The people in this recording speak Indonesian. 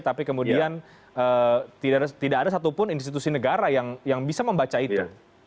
tapi kemudian tidak ada satupun institusi negara yang bisa membaca itu